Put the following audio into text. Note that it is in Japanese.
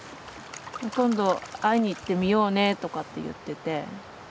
今度会いに行ってみようねとかって言ってて。